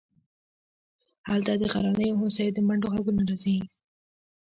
هلته د غرنیو هوسیو د منډو غږونه راځي